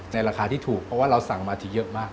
ราคาที่ถูกเพราะว่าเราสั่งมาทีเยอะมาก